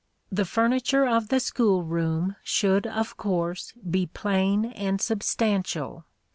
The furniture of the school room should of course be plain and substantial.